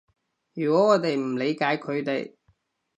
如果我哋唔理解佢哋